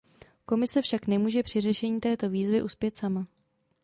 Komise však nemůže při řešení této výzvy uspět sama.